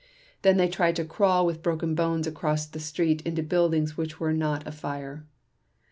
They then tried to crawl with broken bones across the street into buildings which were not afire